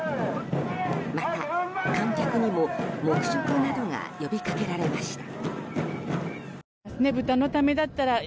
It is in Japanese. また、観客にも黙食などが呼び掛けられました。